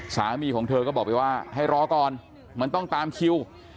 สามีของเธอก็บอกไปว่าให้รอก่อนมันต้องตามคิว